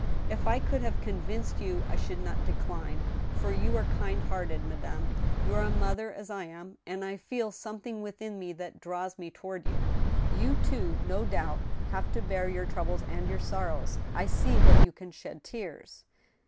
If I could have convmced you I should not decline, for you are kind hearted, madame ; you are a mother as I am, and I feel something within me that draws me toward you. You too, no doubt, have to bear your troubles and your sorrows. I see that you can shed tears."